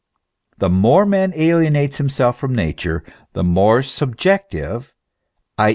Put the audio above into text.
The more man alienates himself from Nature, the more sub jective, i.